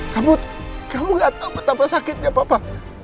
kamu gak tau betapa sakitnya papa